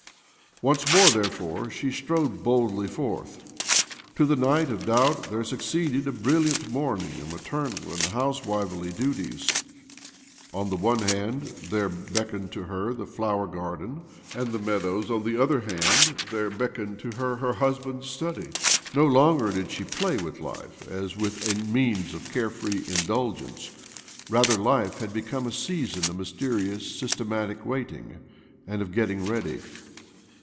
Once more, therefore, she strode boldly forward. To the night of doubt there succeeded a brilliant morning of maternal and housewifely duties. On the one hand, there beckoned to her the flower garden and the meadows ; on the other hand there beckoned to her her husband's study. No longer did she play with life as with a means of carefree indulgence. Rather, life had become a season of mysterious, systematic waiting, and of getting ready.